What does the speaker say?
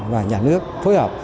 và nhà nước phối hợp